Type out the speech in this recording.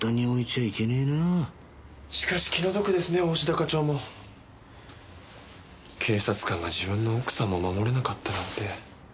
しかし気の毒ですね大信田課長も。警察官が自分の奥さんも守れなかったなんて。